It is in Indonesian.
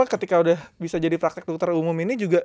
ketika udah bisa jadi praktek dokter umum ini juga